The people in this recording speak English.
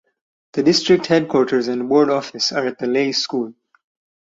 The district headquarters and board office are at the Leigh School.